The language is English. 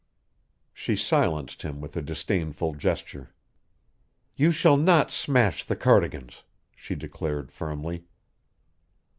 She silenced him with a disdainful gesture. "You shall not smash the Cardigans," she declared firmly.